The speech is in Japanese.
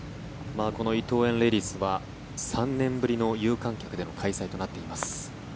この伊藤園レディスは３年ぶりの有観客での開催となっています。